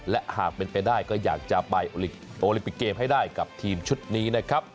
และหากเป็นไปได้ก็อยากจะไปโอลิมปิกเกมให้ได้กับทีมชุดนี้นะครับ